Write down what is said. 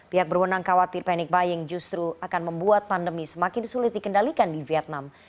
pihak berwenang khawatir panic buying justru akan membuat pandemi semakin sulit dikendalikan di vietnam